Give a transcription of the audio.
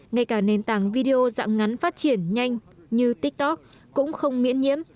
ngay cả nền tảng video dạng ngắn phát triển nhanh như tiktok cũng không miễn nhiễm